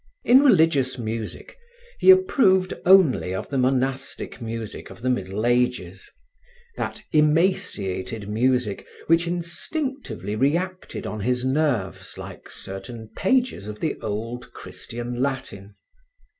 In religious music, he approved only of the monastic music of the Middle Ages, that emaciated music which instinctively reacted on his nerves like certain pages of the old Christian Latin.